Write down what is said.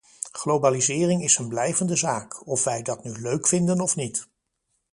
Globalisering is een blijvende zaak, of wij dat nu leuk vinden of niet.